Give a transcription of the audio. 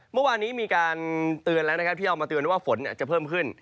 เมื่อวานนี้มีการเตือนแล้วนะครับที่เอามาเตือนว่าฝนจะเพิ่มขึ้น